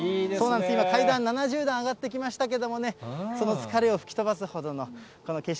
今、階段７０段上がってきましたけれどもね、その疲れを吹き飛ばすほどのこの景色。